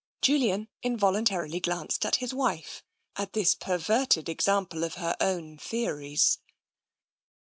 Julian involuntarily glanced at his wife at this per verted example of her own theories.